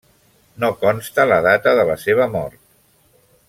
No consta la data de la seva mort.